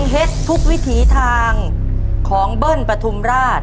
แฮดทุกวิถีทางของเบิร์นปัททุมราช